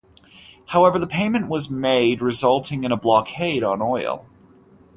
However, the payment was made, resulting in a blockade on oil.